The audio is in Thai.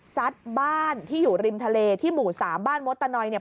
ซัดบ้านที่อยู่ริมทะเลที่หมู่สามบ้านมดตะนอยเนี่ย